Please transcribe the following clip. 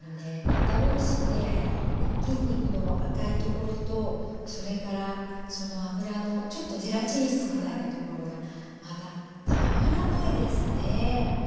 肩ロースって筋肉の赤いところとそれからその脂のちょっとゼラチン質みたいなところがまたたまらないですね。